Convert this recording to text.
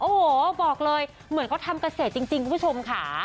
โอ้โหบอกเลยเหมือนเขาทำเกษตรจริงคุณผู้ชมค่ะ